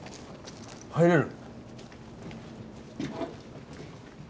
入れる。